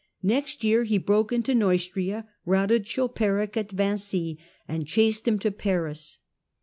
Next year he broke nto Neu'stria, routed Chilperic at Vincy and chased lim to Paris.